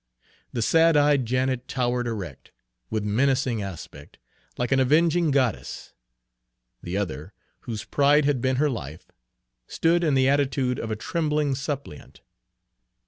The sad eyed Janet towered erect, with menacing aspect, like an avenging goddess. The other, whose pride had been her life, stood in the attitude of a trembling suppliant.